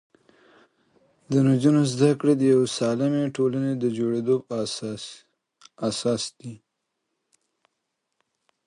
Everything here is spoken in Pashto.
د نجونو زده کړې د یوې سالمې ټولنې د جوړېدو اساس دی.